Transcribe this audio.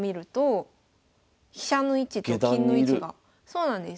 そうなんです。